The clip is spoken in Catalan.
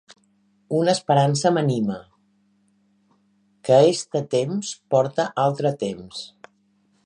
Una esperança m’anima: que este temps porta altre temps.